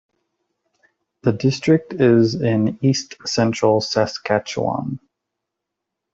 The district is in east-central Saskatchewan.